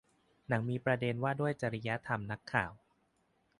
หนังมีประเด็นว่าด้วยจริยธรรมนักข่าว